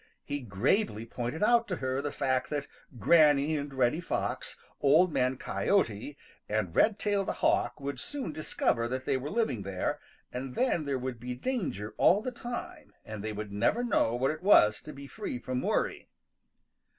He gravely pointed out to her the fact that Granny and Reddy Fox, Old Man Coyote and Red tail the Hawk would soon discover that they were living there, and then there would be danger all the time and they would never know what it was to be free from worry.